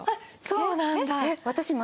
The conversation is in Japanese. そうなんだ。